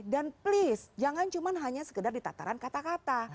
dan please jangan hanya sekedar di tataran kata kata